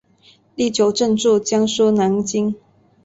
第九镇驻江苏南京。